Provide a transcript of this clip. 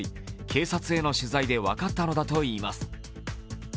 警察への取材で分かったのだといいます。